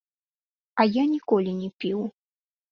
А я ніколі не піў.